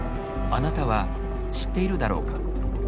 あなたは知っているだろうか。